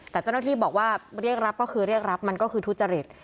แต่เจ้าหน้าที่บอกว่าเรียกรับก็คือเรียกรับมันก็คือทุจริต